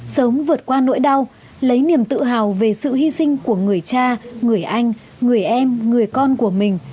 sớm vượt qua nỗi đau lấy niềm tự hào về sự hy sinh của người cha người anh người em người con của mình